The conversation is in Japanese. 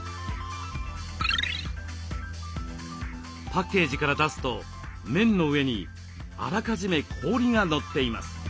パッケージから出すと麺の上にあらかじめ氷が載っています。